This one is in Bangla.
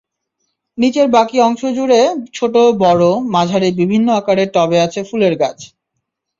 নিচের বাকি অংশজুড়ে ছোট-বড়, মাঝারি বিভিন্ন আকারের টবে আছে ফুলের গাছ।